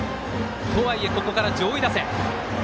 とはいえ、ここから上位打線。